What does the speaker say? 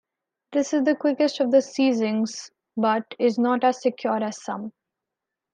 This is the quickest of the seizings, but is not as secure as some.